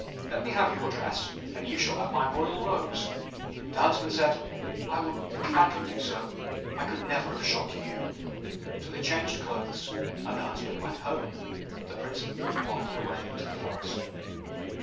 Let me have your dress, and you shall have my royal robes.' The Huntsman said, 'I will gladly do so; I could never have shot you.' So they changed clothes, and the Huntsman went home, but the Prince wandered away into the forest.